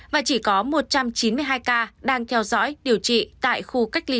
và chỉ có một trăm chín mươi hai ca đang theo dõi điều trị tại khu cách ly